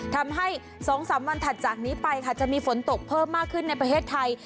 ทำให้๒๓วันถัดจากนี้ไปค่ะจะมีฝนตกเพิ่มมากขึ้นในประเทศไทย